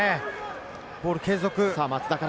ボールを継続。